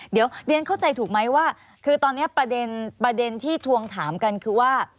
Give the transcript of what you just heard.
เดี๋ยวเรียนเข้าใจถูกไหมว่าคือตอนนี้ประเด็นที่ทวงถามกันคือว่า